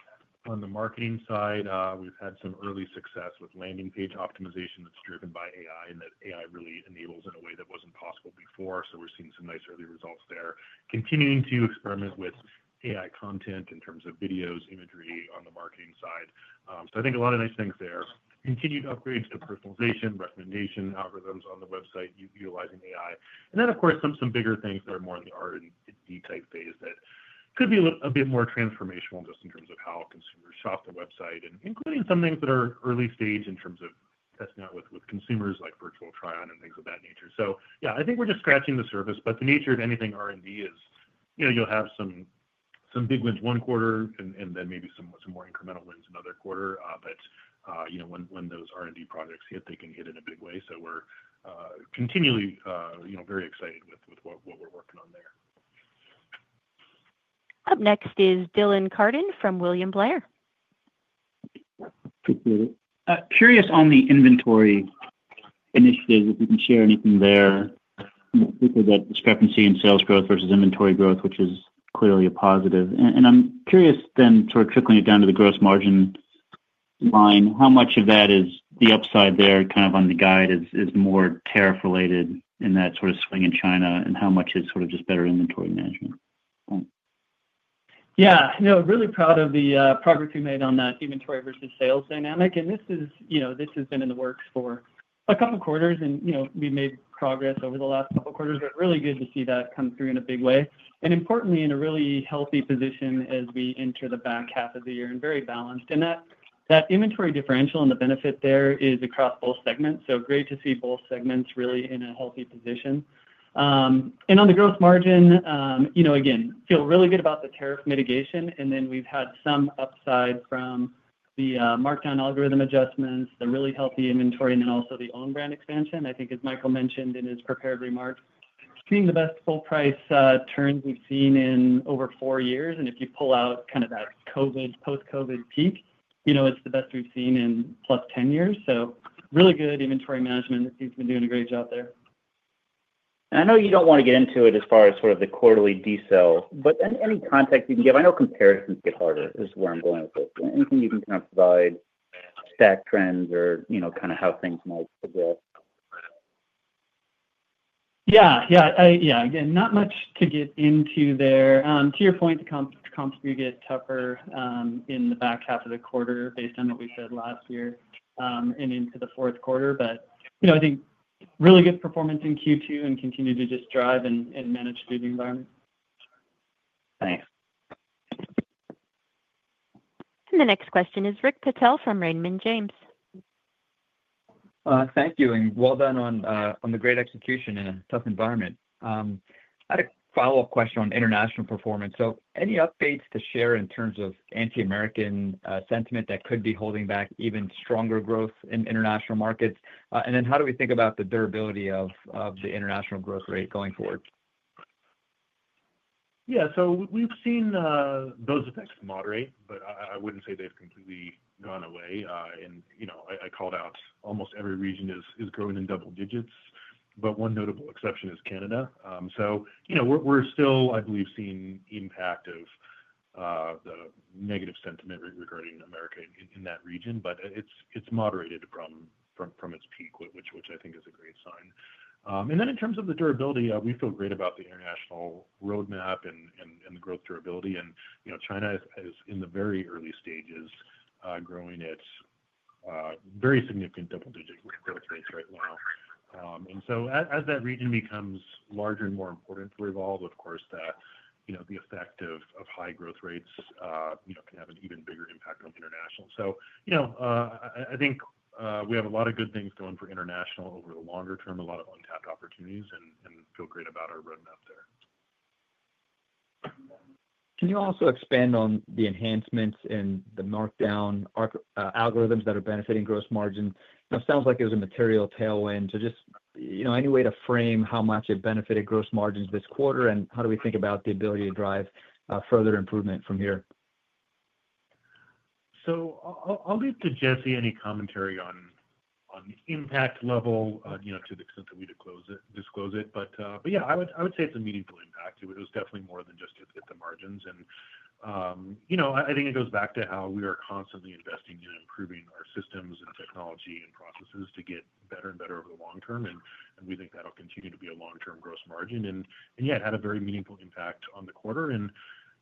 On the marketing side, we've had some early success with landing page optimization that's driven by AI and that AI really enables in a way that wasn't possible before. We're seeing some nice early results there. Continuing to experiment with AI content in terms of videos, imagery on the marketing side. I think a lot of nice things there. Continued upgrades to personalization, recommendation algorithms on the website utilizing AI. Of course, some bigger things that are more in the R&D type phase could be a bit more transformational just in terms of how consumers shop the website, including some things that are early stage in terms of testing out with consumers like virtual try-on and things of that nature. I think we're just scratching the surface, but the nature of anything R&D is, you know, you'll have some big wins one quarter and then maybe some more incremental wins another quarter. When those R&D projects hit, they can hit in a big way. We're continually very excited with what we're working on there. Up next is Dylan Carden from William Blair. Curious on the inventory initiative, if you can share anything there with regard to discrepancy in sales growth versus inventory growth, which is clearly a positive. I'm curious then, sort of trickling it down to the gross margin line, how much of that is the upside there kind of on the guide is more tariff-related in that sort of swing in China and how much is sort of just better inventory management? Yeah, really proud of the progress we made on that inventory versus sales dynamic. This has been in the works for a couple of quarters, and we made progress over the last couple of quarters, but really good to see that come through in a big way. Importantly, in a really healthy position as we enter the back half of the year and very balanced. That inventory differential and the benefit there is across both segments. Great to see both segments really in a healthy position. On the gross margin, again, feel really good about the tariff mitigation. We've had some upside from the markdown algorithm adjustments, the really healthy inventory, and then also the own brand expansion. I think, as Michael Mente mentioned in his prepared remarks, it's been the best full-price turn we've seen in over four years. If you pull out kind of that COVID post-COVID peak, it's the best we've seen in +10 years. Really good inventory management. He's been doing a great job there. I know you don't want to get into it as far as sort of the quarterly [diesel], but any context you can give? I know comparisons get harder, is where I'm going with both. Anything you can kind of provide, stack trends or, you know, kind of how things might evolve. Yeah. Again, not much to get into there. To your point, the comps do get tougher in the back half of the quarter based on what we said last year and into the fourth quarter. You know, I think really good performance in Q2 and continue to just drive and manage through the environment. Thanks. The next question is Rick Patel from Raymond James. Thank you. Well done on the great execution in a tough environment. I had a follow-up question on international performance. Are there any updates to share in terms of anti-American sentiment that could be holding back even stronger growth in international markets? How do we think about the durability of the international growth rate going forward? Yeah, we've seen those effects moderate, but I wouldn't say they've completely gone away. I called out almost every region is growing in double digits, but one notable exception is Canada. We're still, I believe, seeing the impact of the negative sentiment regarding America in that region, but it's moderated from its peak, which I think is a great sign. In terms of the durability, we feel great about the international roadmap and the growth durability. China is in the very early stages growing at very significant double digits with both states right now. As that region becomes larger and more important for REVOLVE, of course, the effect of high growth rates can have an even bigger impact on international. I think we have a lot of good things going for international over the longer term, a lot of untapped opportunities, and feel great about our roadmap there. Can you also expand on the enhancements in the markdown algorithms that are benefiting gross margin? It sounds like it was a material tailwind. Just, you know, any way to frame how much it benefited gross margins this quarter and how do we think about the ability to drive further improvement from here? I'll leave to Jesse any commentary on the impact level, you know, to the extent that we disclose it. Yeah, I would say it's a meaningful impact. It was definitely more than just at the margins. I think it goes back to how we are constantly investing in improving our systems and technology and processes to get better and better over the long term. We think that'll continue to be a long-term gross margin. Yeah, it had a very meaningful impact on the quarter.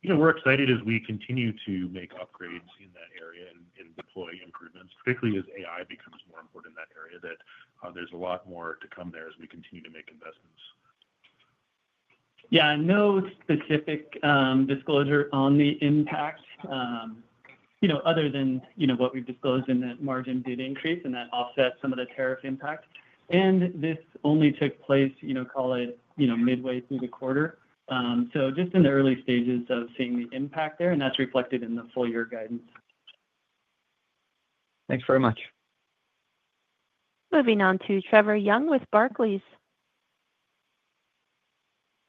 We're excited as we continue to make upgrades in that area and deploy improvements, particularly as AI becomes more important in that area, that there's a lot more to come there as we continue to make investments. Yeah, no specific disclosure on the impact, other than what we've disclosed in that margin did increase, and that offset some of the tariff impact. This only took place, call it, midway through the quarter. Just in the early stages of seeing the impact there, and that's reflected in the full year guidance. Thanks very much. Moving on to Trevor Young with Barclays.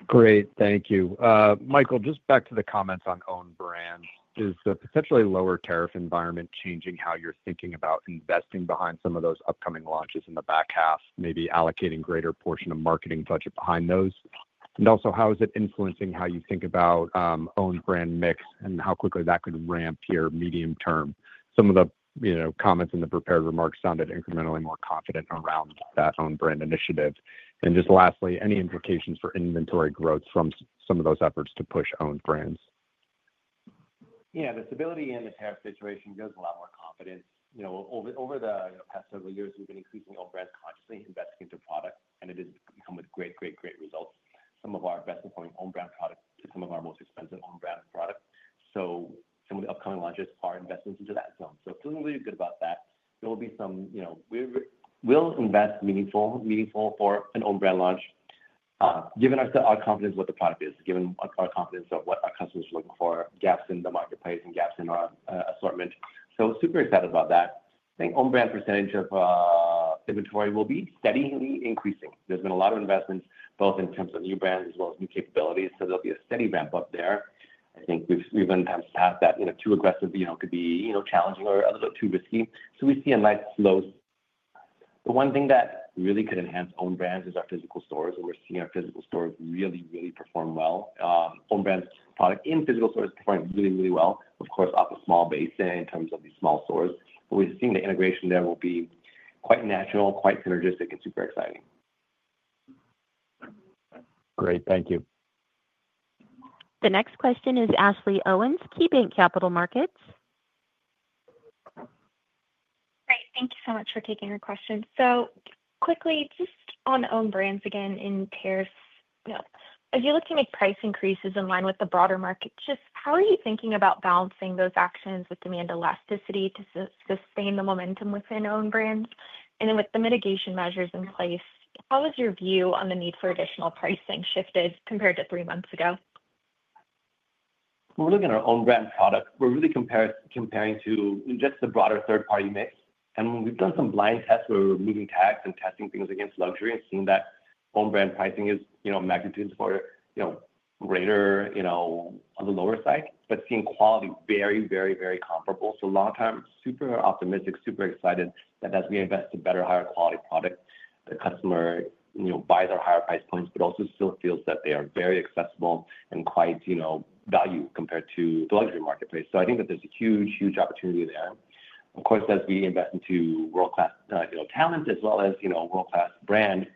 Great. Thank you. Michael, just back to the comments on own brands. Is the potentially lower tariff environment changing how you're thinking about investing behind some of those upcoming launches in the back half, maybe allocating a greater portion of marketing budget behind those? Also, how is it influencing how you think about own brand mix and how quickly that could ramp here medium term? Some of the comments in the prepared remarks sounded incrementally more confident around that own brand initiative. Lastly, any implications for inventory growth from some of those efforts to push own brands? Yeah, the stability in the tariff situation gives a lot more confidence. Over the past several years, we've been increasing own brands consciously and investing into products, and it has come with great, great, great results. Some of our best performing own brand products, some of our most expensive own brand products. Some of the upcoming launches are investments into that zone. Feeling really good about that. There will be some, we'll invest meaningfully for an own brand launch, given our confidence in what the product is, given our confidence in what our customers are looking for, gaps in the marketplace, and gaps in our assortment. Super excited about that. I think own brand percentage of inventory will be steadily increasing. There's been a lot of investments both in terms of new brands as well as new capabilities. There will be a steady ramp up there. I think if we tasked with that too aggressively, it could be challenging or a little bit too risky. We see a nice low. The one thing that really could enhance own brands is our physical stores. We're seeing our physical stores really, really perform well. Own brands' products in physical stores perform really, really well. Of course, off a small base in terms of these small stores. We've seen the integration there will be quite natural, quite synergistic, and super exciting. Great. Thank you. The next question is Ashley Owens, KeyBanc Capital Markets. Thank you so much for taking your question. Just on own brands again in tariffs, as you're looking at price increases in line with the broader market, how are you thinking about balancing those actions with demand elasticity to sustain the momentum within own brands? With the mitigation measures in place, how has your view on the need for additional pricing shifted compared to three months ago? When we're looking at our own brand product, we're really comparing to just the broader third-party mix. We've done some blind tests where we're removing tags and testing things against luxury and seeing that own brand pricing is magnitudes more, you know, greater on the lower side, but seeing quality very, very, very comparable. A lot of times, super optimistic, super excited that as we invest in better, higher quality products, the customer buys our higher price points, but also still feels that they are very accessible and quite valued compared to the luxury marketplace. I think that there's a huge, huge opportunity there. Of course, as we invest into world-class talent as well as world-class brands,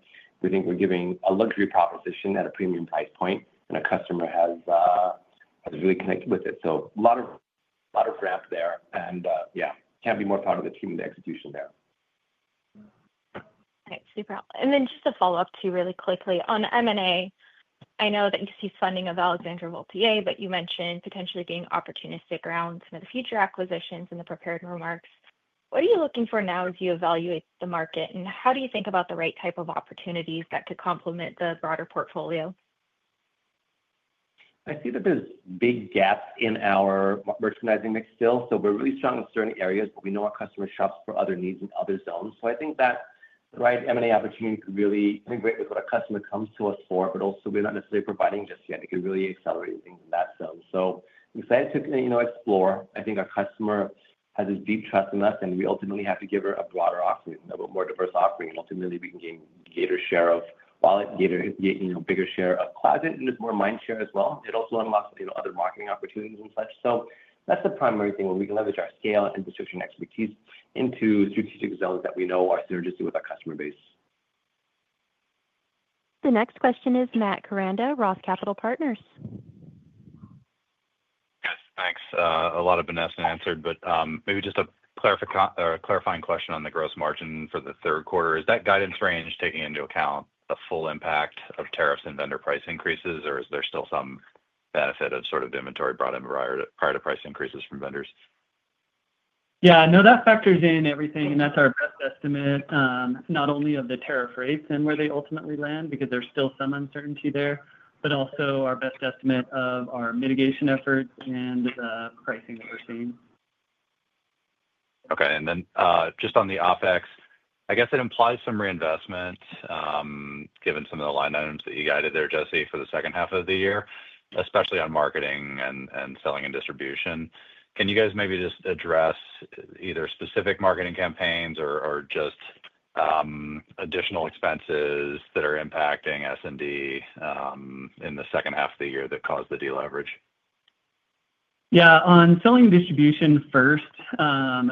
we think we're giving a luxury power position at a premium price point, and our customer has really connected with it. A lot of, a lot of graphs there. Can't be more proud of the team and the execution there. Thanks. Super. Just to follow up really quickly on M&A, I know that you see funding of Alexandre Vauthier, but you mentioned potentially being opportunistic around some of the future acquisitions in the prepared remarks. What are you looking for now as you evaluate the market, and how do you think about the right type of opportunities that could complement the broader portfolio? I see that there's big gaps in our merchandising mix still. We're really strong in certain areas, but we know our customers shop for other needs in other zones. I think that the right M&A opportunity could really integrate with what our customer comes to us for, but also we're not necessarily providing just yet. It could really accelerate things in that zone. I'm excited to explore. I think our customer has a deep trust in us, and we ultimately have to give her a broader offering, a more diverse offering. Ultimately, we can gain a greater share of wallet, bigger share of closet, and more mind share as well. It also unlocks other marketing opportunities and such. That's the primary thing where we can leverage our scale and distribution expertise into strategic zones that we know are synergistic with our customer base. The next question is Matt Koranda, ROTH Capital Partners. Thanks. A lot have been asked and answered, but maybe just a clarifying question on the gross margin for the third quarter. Is that guidance range taking into account the full impact of tariffs and vendor price increases, or is there still some benefit of sort of the inventory brought in prior to price increases from vendors? Yeah, no, that factors in everything, and that's our best estimate, not only of the tariff rates and where they ultimately land because there's still some uncertainty there, but also our best estimate of our mitigation efforts and the pricing that we're seeing. Okay. On the OpEx, I guess it implies some reinvestment given some of the line items that you guided there, Jesse, for the second half of the year, especially on marketing and selling and distribution. Can you guys maybe just address either specific marketing campaigns or just additional expenses that are impacting S&D in the second half of the year that caused the deleverage? Yeah, on selling and distribution first,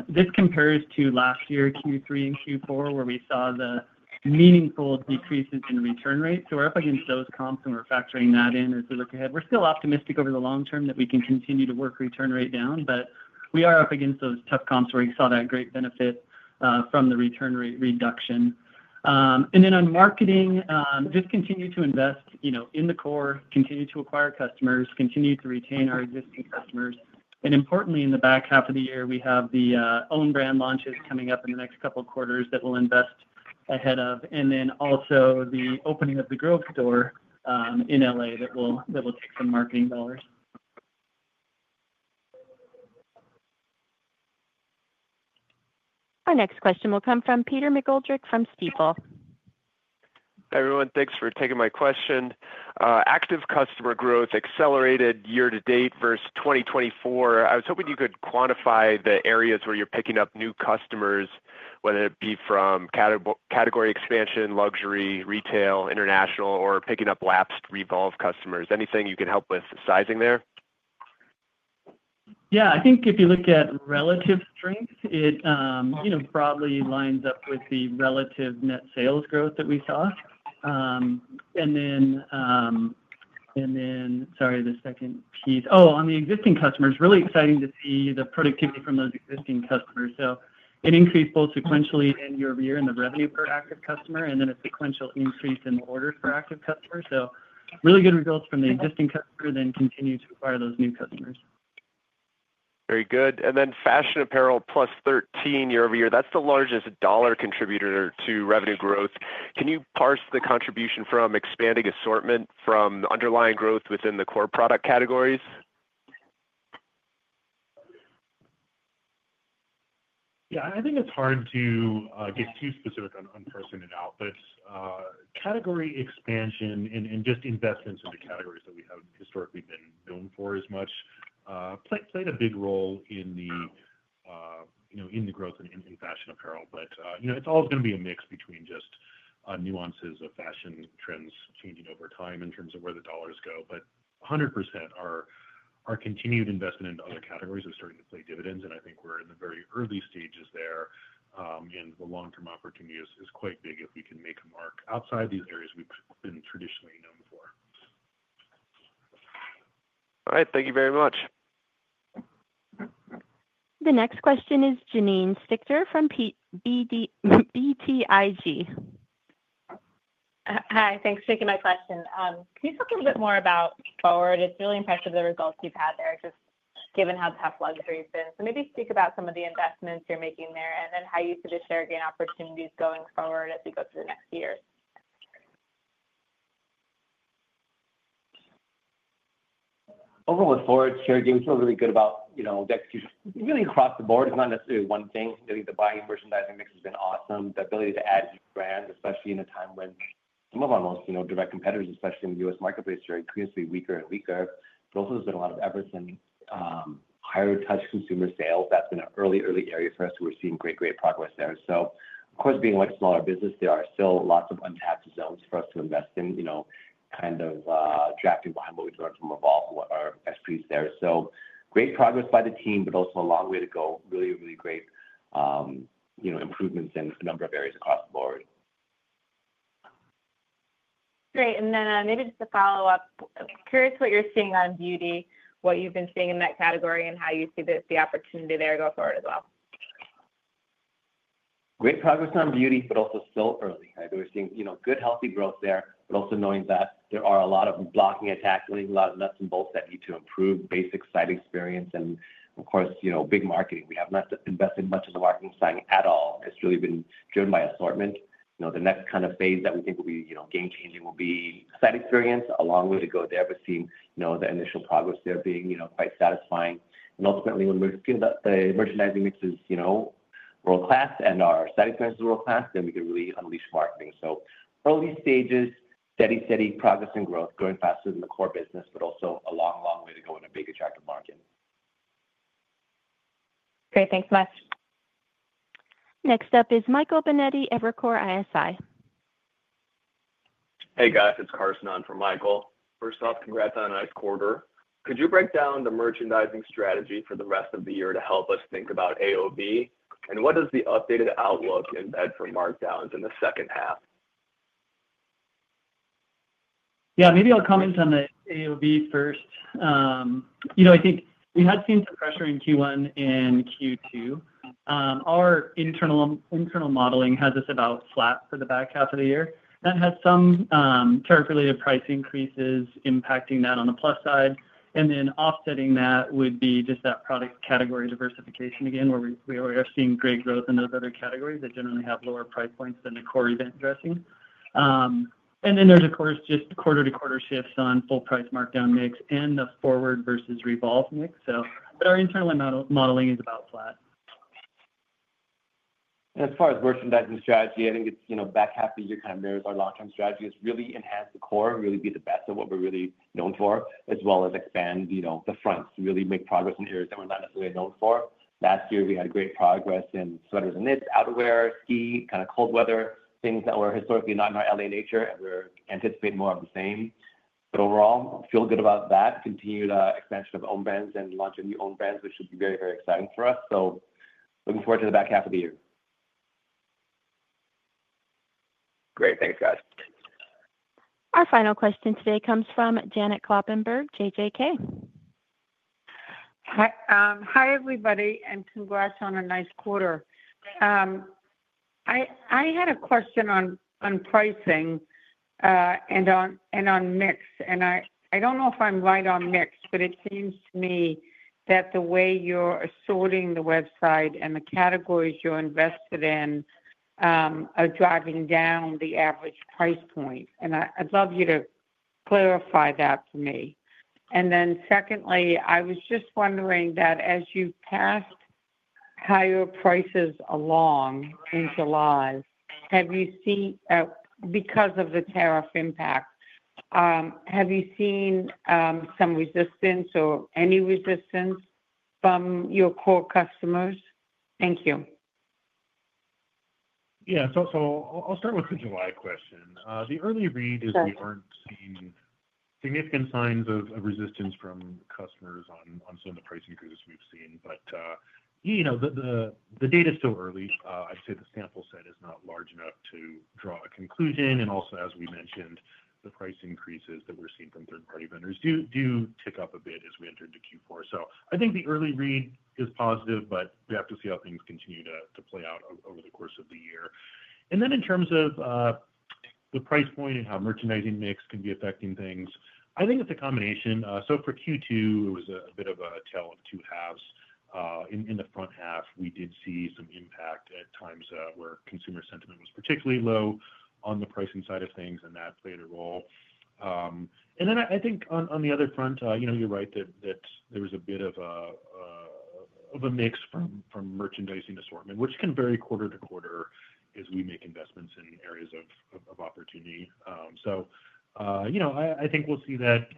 this compares to last year Q3 and Q4 where we saw the meaningful decreases in return rates. We're up against those comps, and we're factoring that in as we look ahead. We're still optimistic over the long term that we can continue to work return rate down, but we are up against those tough comps where you saw that great benefit from the return rate reduction. On marketing, just continue to invest, you know, in the core, continue to acquire customers, continue to retain our existing customers. Importantly, in the back half of the year, we have the own brand launches coming up in the next couple of quarters that we'll invest ahead of, and also the opening of the Grove store in Los Angeles that will take some marketing dollars. Our next question will come from Peter McGoldrick from Stifel. Hey, everyone. Thanks for taking my question. Active customer growth accelerated year to date versus 2024. I was hoping you could quantify the areas where you're picking up new customers, whether it be from category expansion, luxury, retail, international, or picking up lapsed REVOLVE customers. Anything you can help with sizing there? Yeah, I think if you look at relative strength, it broadly lines up with the relative net sales growth that we saw. Sorry, the second piece. Oh, on the existing customers, really exciting to see the productivity from those existing customers. An increase both sequentially and year-over-year in the revenue per active customer, and then a sequential increase in order per active customer. Really good results from the existing customer, then continue to acquire those new customers. Very good. Fashion apparel +13% year-over-year. That's the largest dollar contributor to revenue growth. Can you parse the contribution from expanding assortment from underlying growth within the core product categories? I think it's hard to get too specific on person and outfits. Category expansion and just investments into categories that we have historically been known for as much played a big role in the growth in fashion apparel. It's always going to be a mix between just nuances of fashion trends changing over time in terms of where the dollars go. 100% our continued investment in other categories are starting to play dividends, and I think we're in the very early stages there. The long-term opportunity is quite big if we can make a mark outside these areas we've been traditionally known for. All right, thank you very much. The next question is Janine Stichter from BTIG. Hi. Thanks for taking my question. Can you talk a little bit more about FWRD? It's really impressive the results you've had there, just given how tough luxury's been. Maybe speak about some of the investments you're making there and how you see the share gain opportunities going forward as we go through the next years. Overall, looking forward to share gain, we feel really good about the execution really across the board. It's not necessarily one thing. I believe the buying and merchandising mix has been awesome. The ability to add to brands, especially in a time when some of our most direct competitors, especially in the U.S. marketplace, are increasingly weaker and weaker. There have also been a lot of efforts in higher touch consumer sales. That's been an early area for us where we're seeing great progress there. Of course, being a much smaller business, there are still lots of untapped zones for us to invest in, kind of drafting what we've learned from REVOLVE and what our [S3] is there. Great progress by the team, but also a long way to go. Really great improvements in a number of areas across the board. Great. Maybe just to follow up, curious what you're seeing on beauty, what you've been seeing in that category, and how you see the opportunity there go forward as well. Great progress on beauty, but also still early. I think we're seeing good, healthy growth there, but also knowing that there are a lot of blocking attacks and a lot of nuts and bolts that need to improve basic site experience. Of course, big marketing. We have not invested much in the marketing side at all. It's really been driven by assortment. The next kind of phase that we think will be game-changing will be site experience. A long way to go there, but seeing the initial progress there being quite satisfying. Ultimately, when we're looking at the merchandising mix is world-class and our site experience is world-class, then we can really unleash marketing. Early stages, steady, steady progress and growth, growing faster than the core business, but also a long, long way to go in a big, attractive market. Great. Thanks so much. Next up is Michael Binetti of Evercore ISI. Hey, guys. It's Carson on for Michael. First off, congrats on a nice quarter. Could you break down the merchandising strategy for the rest of the year to help us think about AOV? What does the updated outlook embed for markdowns in the second half? Yeah, maybe I'll comment on the AOV first. I think we had seen some pressure in Q1 and Q2. Our internal modeling had this about flat for the back half of the year. That had some tariff-related price increases impacting that on the plus side, and offsetting that would be just that product category diversification again, where we are seeing great growth in those other categories that generally have lower price points than the core event dressing. There are, of course, just quarter-to-quarter shifts on full-price markdown mix and the FWRD versus REVOLVE mix. Our internal modeling is about flat. As far as merchandising strategy, I think it's, you know, back half of the year kind of mirrors our long-term strategy is really enhance the core and really be the best of what we're really known for, as well as expand, you know, the front to really make progress in areas that we're not necessarily known for. Last year, we had great progress in sweaters and knits, outerwear, ski, kind of cold weather, things that were historically not in our L.A. nature, and we're anticipating more of the same. Overall, feel good about that. Continue the expansion of own brands and launching new own brands, which should be very, very exciting for us. Looking forward to the back half of the year. Great. Thanks, guys. Our final question today comes from Janet Kloppenburg, JJK. Hi, everybody, and congrats on a nice quarter. I had a question on pricing and on mix. I don't know if I'm right on mix, but it seems to me that the way you're sorting the website and the categories you're invested in are driving down the average price point. I'd love you to clarify that for me. Secondly, I was just wondering that as you passed higher prices along in July, have you seen, because of the tariff impact, have you seen some resistance or any resistance from your core customers? Thank you. Yeah, I'll start with the July question. The early read is we aren't seeing significant signs of resistance from customers on some of the price increases we've seen. The data is still early. I'd say the sample set is not large enough to draw a conclusion. Also, as we mentioned, the price increases that we're seeing from third-party vendors do tick up a bit as we enter into Q4. I think the early read is positive, but we have to see how things continue to play out over the course of the year. In terms of the price point and how merchandising mix can be affecting things, I think it's a combination. For Q2, it was a bit of a tale of two halves. In the front half, we did see some impact at times where consumer sentiment was particularly low on the pricing side of things, and that played a role. On the other front, you're right that there was a bit of a mix from merchandising assortment, which can vary quarter to quarter as we make investments in areas of opportunity. I think we'll see that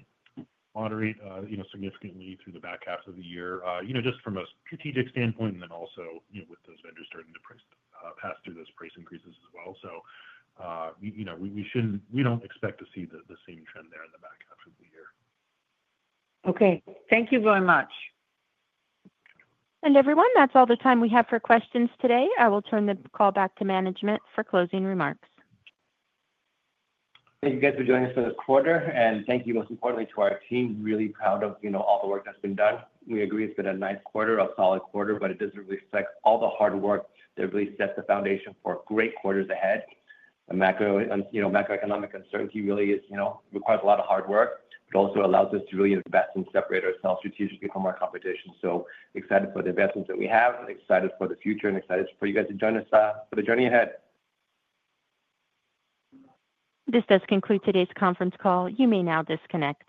moderate significantly through the back half of the year, just from a strategic standpoint and also with those vendors starting to pass through those price increases as well. We don't expect to see the same trend there in the back half of the year. Okay, thank you very much. Everyone, that's all the time we have for questions today. I will turn the call back to management for closing remarks. Thank you guys for joining us for this quarter, and thank you most importantly to our team. Really proud of all the work that's been done. We agree it's been a nice quarter, a solid quarter, but it doesn't really affect all the hard work that really sets the foundation for great quarters ahead. The macroeconomic uncertainty really is, you know, requires a lot of hard work, but also allows us to really invest and separate ourselves strategically from our competition. Excited for the investments that we have, excited for the future, and excited for you guys to join us for the journey ahead. This does conclude today's conference call. You may now disconnect.